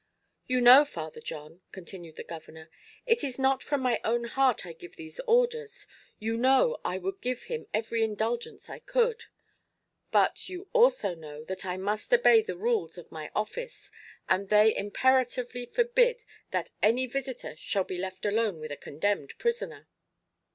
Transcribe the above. You know, Father John," continued the governor, "it is not from my own heart I give these orders; you know I would give him every indulgence I could; but you also know that I must obey the rules of my office, and they imperatively forbid that any visitor shall be left alone with a condemned prisoner."